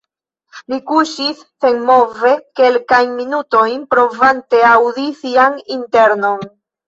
Li kuŝis senmove kelkajn minutojn, provante aŭdi sian internon.